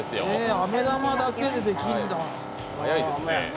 あめ玉だけでできるんだ。